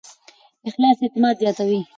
اخلاص اعتماد زیاتوي.